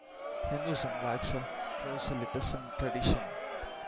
Hinduism lacks a proselytism tradition.